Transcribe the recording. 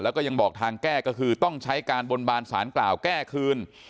แล้วก็ยังบอกทางแก้ก็คือต้องใช้การบนบานสารกล่าวแก้คืน